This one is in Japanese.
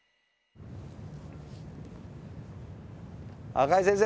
赤井先生